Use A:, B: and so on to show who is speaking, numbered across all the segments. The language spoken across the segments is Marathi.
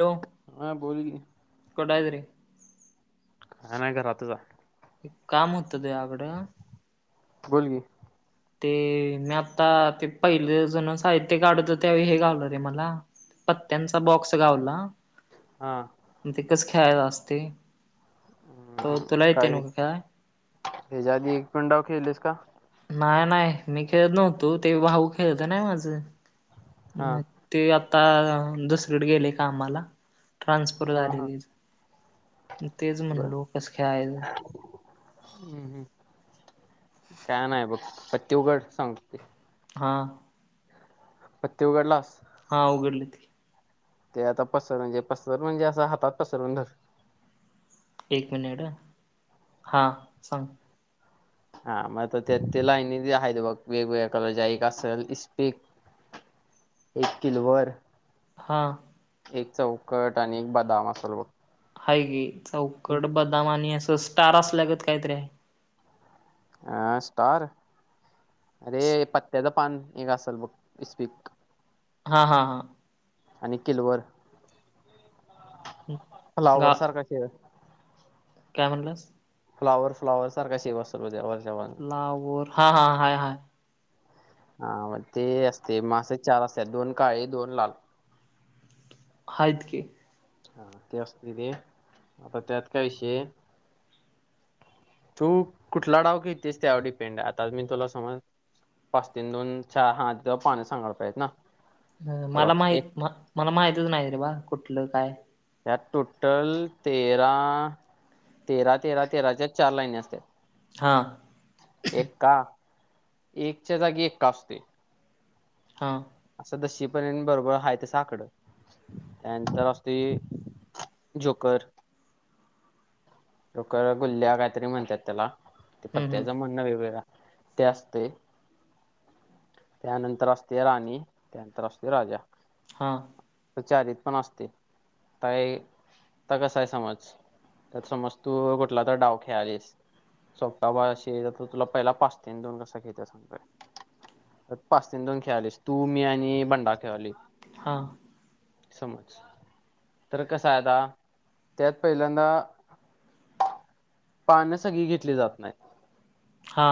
A: लो
B: हा बोल की.
A: कडाय तरी
B: काय नाही घरातच हाय.
A: काम होतं तूयाकडं
B: बोल की.
A: ते मी आता ते पहिले जण साहित्य काढत त्यावे हे गावलं रे मला पत्त्यांचा बॉक्स गावला
B: हा
A: म ते कसं खेळायच असते त तुला येते नव का खेळाय?
B: हेजाधी एकपं डाव खेळलयस का?
A: माही नाही मी खेळत नव्हतो ते भाऊ खेळत ना माझं
B: हा.
A: मग ते आता दुसरीडे गेले काम आम्हाला. ट्रान्सफर
B: हा हा
A: झाले त तेच
B: बर.
A: म्हणलो कस खेळायच.
B: हम्म हम्म काय नाही बघ पत्ते उघड सांगतो ते
A: हा
B: पत्ते उघडलास
A: हा उघडली त
B: ते आता पसर म्हणजे पसर म्हणजे असं हातात पसरवून धर
A: एक मिनिट ह हा सांग
B: हा मग ते ते लाईन आहे बघ वेगवेगळ्या कलरच्या एक असेल इस्पक एक किलवर
A: हां
B: एक चौकट आणि एक बदाम असाल बघ
A: हाय गी चौकट बदाम आणि असं स्टार असल्या गत कायतरी आहे.
B: अह स्टार अरे पत्त्याचं पान एक असेल बघ इस्पीक
A: हा हा हा
B: आणि किलवर फ्लावर
A: गा
B: सारखा खेळ
A: काय म्हणलास?
B: फ्लावर फ्लावर सारखा शेप असलं बघ तेजा वरच्या पाना
A: हा बोर हा हा हाय हाय
B: हा मग ते असते मासे चार असते दोन काळे दोन लाल
A: हात कि
B: हा ते असते तिथे आता त्यात काय विषय तू कुठला डव कितीेस त्यावर डिपेंड आहे आता मी तुला समज पाच तीन दोन चहा हात पाणी सांगा पाहिजेत ना
A: हा
B: बघ
A: मला
B: एक
A: माहीत मला माहितच नाही रे बा कुठलं काय
B: यात टोटल तेरा तेरा तेरा तेराच्या चार लाईनी असत्यात
A: हा
B: एक्का एकच्या जागी एक्का असतोय.
A: हां
B: असं दशी पर्य बरोबर हाय त साकडं त्यानंतर असते झोकर टोकर गुल्ल्या काहीतरी म्हणत्यात त्याला ते
A: हम्म हम्म
B: पत्त्याचा म्हणं वेगवेगळा ते असते त्यानंतर असते राणी त्यानंतर असते राजा
A: हां
B: तर चारित पण असते ताय त कस आहे समज त्यात समज तू कुठला तर डाव खेळालीस सोपपा बाय अशी तुला पहिला पाच तेन दोन कसा खेळतात सांगू काय? पाच तन दोन खेळालीस तू मी आणि बंडा खेळालोय
A: हा
B: समज तर कसा आता त्यात पहिल्यांदा पाण्या सगळी घेतली जात नाही
A: हा.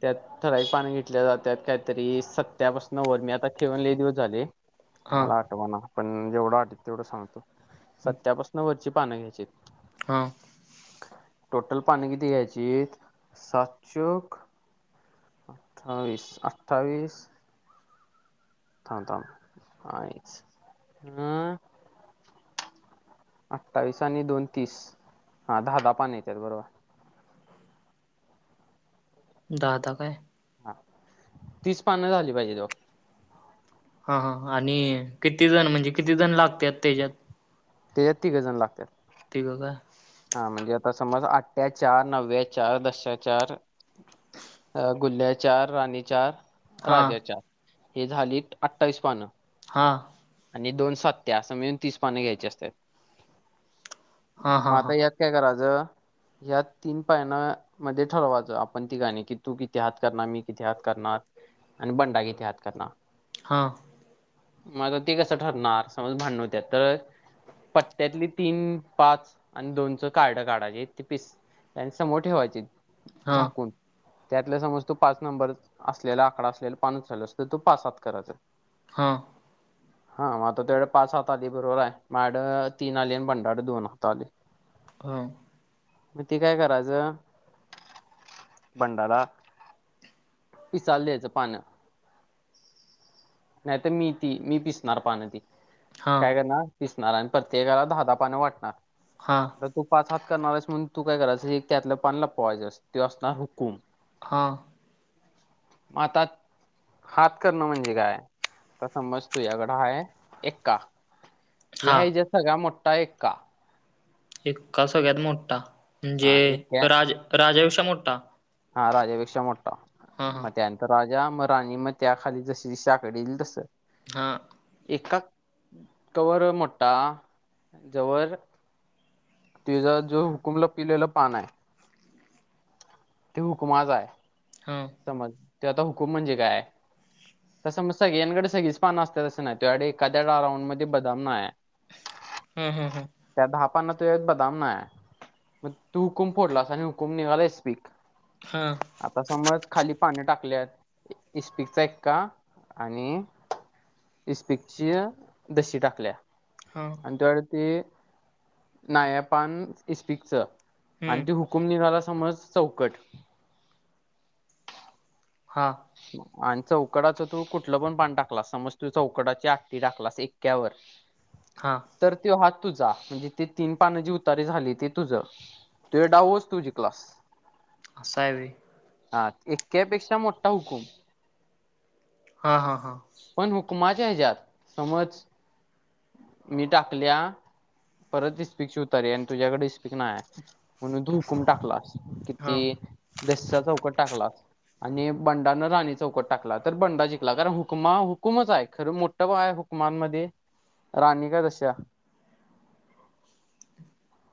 B: त्यात ठरावीक पाणी घेतल्या जातात काहीतरी त्ये सत्यापासन वरमी आता ठेवले जात्यात आता लय दिवस झाले.
A: हा
B: मला आठवणा पण जेवढं आठवत तेवढं सांगतो सत्यापा न वरची पानं घ्यायचीत.
A: हम्म.
B: टोटल पान किती घ्यायचीत सात चोक अठ्ठावीस अठ्ठावीस थांब थांब आईच हम् अठ्ठावीस आणि दोन, तीस हा दहा दहा पान येत्यात बरोबर.
A: दादा काय?
B: ह तीस पानं झाली पाहिजेत ओ.
A: हा हा आणि किती जण म्हणजे किती जण लागत्यात त्याच्यात?
B: त्याच्यात तीघजण लागत्यात.
A: तिघ काय?
B: हा म्हणजे आता समज आठ्या चार, नवव्या चार, दशा चार, अ गुल्ह चार, राणी चार,
A: हा
B: राजा चार, हे झाली अठ्ठावीस पानं.
A: हा.
B: आणि दोन सत्या असं मिळून तीस पाने घ्यायचे असतात.
A: हा हा
B: मग
A: हा
B: आता यात काय करायचं यात तीन पायनं मध्ये ठरवायचं. आपण तिघाणी की तू किती हात करणार मी किती हात करणार आणि बंडा किती हात करणार
A: हा.
B: मग आता ते कसं ठरणार समज भांडण होत्यात तर पत्त्यातली तीन पाच आणि दोनचं कार्ड काढायची ते पिस आणि समोर ठेवायचीत
A: हा
B: झाकून त्यातला समज तू पाच नंबर असलेला आकडा असलेला पानच उचलस तर तू पाच सात करायचा.
A: हां.
B: हा मग आता त्यायाकड पाच हात आली बरोबर हाय माजा कड तीन आली आणि भंडा कड दोन हात आली.
A: हम.
B: मग ते काय करायचं भंडारा ती चाली ये पानात. नाही तर मी ती मी पिसणार पान ती
A: हा
B: काय? करणार. पिसनार आणि प्रत्येकाला दहा दहा पान वाटणार.
A: हां.
B: तर तू पाच हात करणार आहेस म्हणून तू काय करायचं एक त्यातल पान लपवायसचस त्यो असणार हुकूम.
A: हा.
B: हातात हात करण म्हणजे काय? आता समज तुझ्याकड आहे एक्का,
A: हा
B: ह्या ह्याच्यात सगळा मोठा एक्का.
A: एक्का सगळ्यात मोठा, म्हणजे
B: हा एक्या
A: राज राजा पेक्षा मोठा.
B: हा राजा पेक्षा मोठा,
A: हा
B: म
A: हा
B: त्या तर राजा, मग राणी, मग त्या खाली जशी साकड येईल तस.
A: हा.
B: एक्का, तवर मोठ्ठा, जवर तिचा जो हुकुमला पिलेला पान आहे. ते हुकमाचाय.
A: हां.
B: समज, ते आता हुकूम म्हणजे काय? तसं मतस्या गेनकळ्यांकडे सगळीच पाण असते तसं नाय तुझ्याकडे एखाद्या राऊंड मध्ये बदाम नाय
A: हां हां हां.
B: त्या ढापांना तूझ्यात बदाम आहे मग तू हुकुम फोडलास आणि हुकुम निघालाय स्पीक
A: हा.
B: आता समज, खाली पानं टाकल्यात, इस्पिकचा एक्का आणि इस्पिकची देशी टाकल्या.
A: हां.
B: तर ते नायपान इस्पिकच आणि
A: हम्म
B: ती हु हुकुम निघाला समज चौकट
A: हा
B: आणि चौकडाचं तू कुठलं पण पान टाकलास समज तू चौकडाची आगती टाकलास एक्यावर
A: हा.
B: तर तेव हात तुझा म्हणजे ते तीन पानं जी उतारी झाली ते तुझं. तुझा डावच तु जिंकलास
A: असावे
B: हा एक्यापेक्षा मोठा हुकुम
A: हा हा हा.
B: पण हुकमाच्या हेज्यात समज मी टाकल्या परत स्पीक ची उतारी आणि तुझ्याकडे इस्पीक नाय आहे म्हणून तू हुकूम टाकलास किती
A: हा
B: दस्या चौकट टाकला आणि बंडानं राणी चौकट टाकला तर बंडा जिंला कारण हुकमा हुकुमच आहे खरं मोठं बा आहे हुकमांमध्ये राणी का दस्या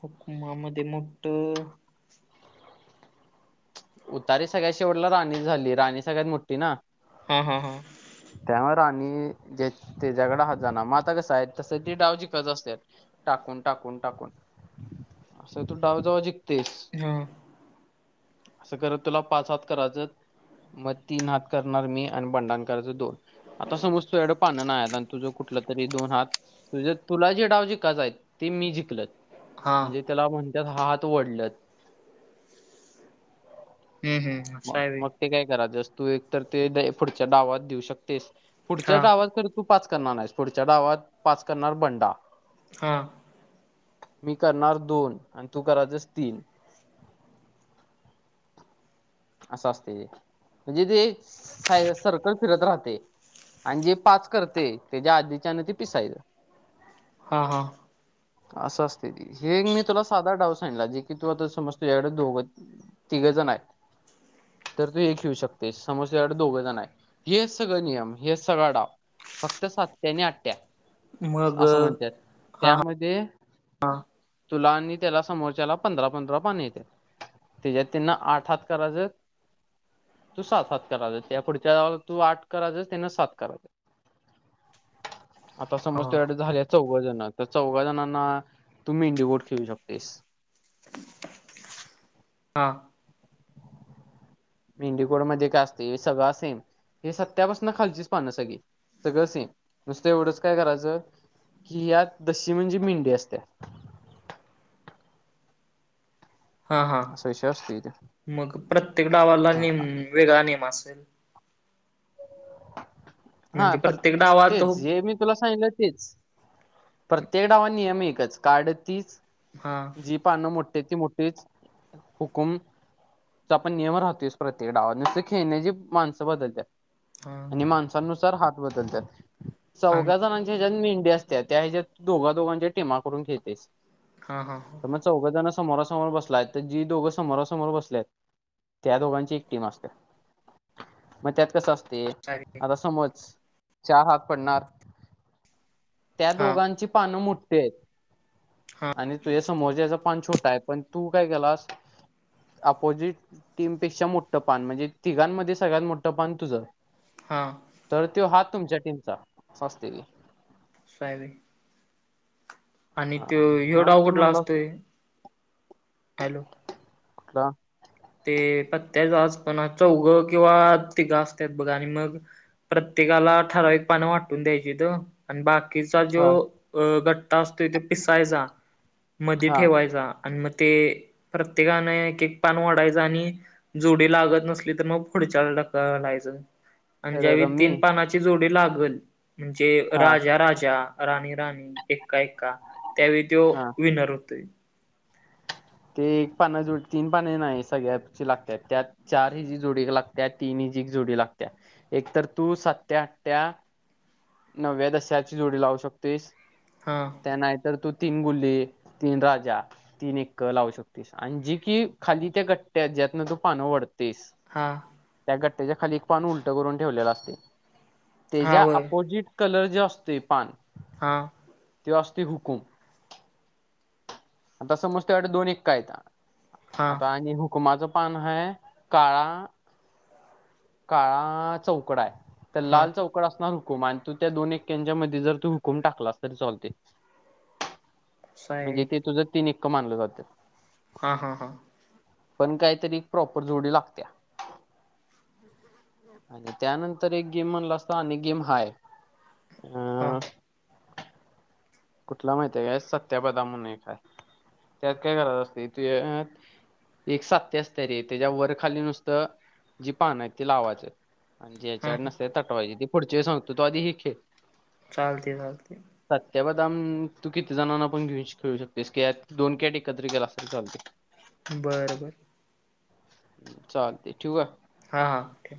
A: हुकुमामध्ये मोठं
B: उतारी सगळ्यात शेवटला राणी झाली राणी सगळ्यात मोठी ना.
A: हां हां हां.
B: त्या राणी ज्याच तिझ्याकडे हात जाणार म आता कसं आहे तसं ती डाव जीकत असते. टाकून टाकून टाकून असं तू डाव जावा जीकतेस.
A: हां.
B: असं करत तुला पाच हात करायचं म तीन हात करणार मी आणि बंडण करायचं दोन आता समज तुझ्याकडे पानं नाय आणि तुझं कुठ ठला तरी दोन हात तुला जे डाव जिकायच आहे ते मी जिकलं
A: हा
B: म्हणजे त्याला म्हणतात हात वढल्यात.
A: हम्म हम्म.
B: म
A: असं आहे व्हय
B: मग ते काय करायतस तू एक तर ते डे पुढच्या डावात देऊ शकतेस पुढच्या
A: हा
B: डावात कर तू पाच करणार आहेस पुढच्या डावात पाच करणार बंडा
A: हा
B: मी करणार दोन आणि तू करायचस तीन असं असते हे म्हणजे ते साय सर्कल फिरत राहते. आणि जे पाच करते त्याच्या आधीच्या न ते पिसायच.
A: हा हा.
B: असं असते ती हे मी तुला सादा डाऊ सांडला जे की तू आता समज तुझ्याकडे दोघं तिघेजण आहेत तर तू एक येऊ शकतेस समज तूझ्याकडे दोघं जण आहेत हेच सगळं नियम हेच सगळा डाव फक्त सात्या आणि आठ्या
A: मग
B: असं म्हणत्यात
A: हा
B: त्यामध्ये तुला आणि त्याला समोरच्याला पंधरा पंधरा पान येते त्याच्यात त्यांना आठ हात करायचत तू सात हात करायचस त्या पुढच्या तू आठ करायचस त्याना सात करायचं
A: [inaudible] [inaudible]
B: आता समज तुझ्याकडे झाल्या चौघ जण तर चौघ जणांना तुम्ही इंडी गोट खेळू शकतेस.
A: हा
B: मेंडीकोटमध्ये काय असतंय, सगळा सेम हे सत्यापासून खालचीच पान सगळी. सगळं सेम. नुसत एवढंच काय करायचं कि यात दशी म्हणजे मेंडे असत्या.
A: हा हा
B: असा विषय असतो इथे
A: मग प्रत्येक डावाला
B: हा
A: नेम वेगळा नियम असेल.
B: हा
A: म्हणजे
B: पर
A: प्रत्येक डावात हो
B: तेच जे मी तुला सांगितलं तेच. प्रत्येक डाव आणि नियम एकच. कार्ड तीच
A: हा
B: जी पानं मोठी हाईत ती मोठीच हुकुम चा पण नियम राहतोयच प्रत्येक डावात. नुसतं खेळण्याची माणसं बदलत्यात.
A: हा
B: आणि माणसानुसार हात बदलतात.
A: आणि
B: चौघा जणां जे याच्यात मेंढी असत्या त्या ह्येज्यात दोघा-दोघांच्या टीमा करून खेळतेत.
A: हा, हा, हा.
B: तर मग चौघं जण समोरासमोर बसलाय, तर जी दोघं समोरासमोर बसलेत त्या दोघांची एक टीम असत्या. मग त्यात कसं असतंय
A: अगदी
B: समज चार हात पडणार त्या
A: हा
B: दोघांची पानं मोठी आहेत.
A: हा
B: आणि तुझ्या समोरच्याचा पान छोटा आहे, पण तु काय केलास अपोजिट टीमपेक्षा मोठं पान म्हणजे तिघांमध्ये सगळ्यात मोठं पान तुझं.
A: हा.
B: तर तो हात तुमच्या टीमचा असं असतंय ते.
A: असं हाय व्हय? आणि
B: हा
A: त्यो ह्यो डाव
B: ह्यामध्ये
A: कुठला
B: म्हणला
A: असतोय? हॅलो
B: कुठला?
A: ते पत्त्याच आजपणा चौघं किंवा तिघं असत्यात बघ आणि मग प्रत्येकाला ठराविक पानं वाटून द्यायचीत. आणि बाकीचा जो
B: हा
A: अ गठ्ठा असतोय तो पिसायचा, मधी
B: हा
A: ठेवायचा आणि मग ते प्रत्येकाने एक एक पान ओढाय चं आणि जोडी लागत नसली तर मग पुढच्याला ढकलायचं. आणि
B: र-
A: ज्यावेळी
B: रम्मी
A: तीन पानाची जोडी लागलं म्हणजे
B: हा
A: राजा-राजा राणी-राणी, एक्का-एक्का त्यावेळी तो
B: हा
A: विनर होतोय.
B: ते एक पाना जोडी तीन पाने नाही सगळ्याची लागत्यात त्यात चार हिजी जोडी एक लागत्या, तीन हिजी एक जोडी लागत्या. एकतर तू सत्या-आठ्या, नव्या-दशाची जोडी लावू शकतोयस
A: हा.
B: त्या नाहीतर तू तीन गुल्ले, तीन राजा, तीन एक क लावू शकतोयस आणि जी की खाली त्या गठ्ठ्या ज्यातन तू पानं वढतुयस
A: हा.
B: त्या गठ्ठ्याच्या खाली एक पान उलट करून ठेवलेलं असतंय.
A: हा
B: त्याच्या
A: व्हय
B: अपोजिट कलर जो असतोय पान
A: हा.
B: त्यो असतोय हूकुम. आता समज तुझ्याकडं दोन एक्का हाईत
A: हा
B: आता आणि हुक हुकमाच पान हाय. काळा काळा चौकडा आहे, तर
A: हा
B: लाल चौक कडं असणार हुकुम आणि तू त्या दोन एक्यांच्यामधी जर तू हुकूम टाकलास तरी चालतंय.
A: असं आहे.
B: म्हणजे ते तुझं तीन एक्क मानलं जातं.
A: हा, हा, हा.
B: पण काहीतरी प्रॉपर जोडी लागत्या. आणि त्यानंतर एक गेम म्हणला असता आणि गेम हाय
A: हा
B: अ कुठला माहिती आहे काय सत्यपदा म्हणून एक आहे, त्यात काय करात असते ते एक सात्य असते रे त्याच्या वरखाली नुसतं जी पानं आहे ती लावायचं. आणि
A: हा
B: जाच्याकडं नसते तटवायच ते पुढच्या वेळ सांगतो, तू आधी ही खेळ.
A: चालतंय, चालतंय.
B: सत्याबर दम तू किती जणांना पण घेऊन खेळू शकतोयस. की यात दोन कॅट एकत्र केलास तरी चालतोय.
A: बरं, बरं.
B: चालतंय. ठेवू का?
A: हा, हा. ओके.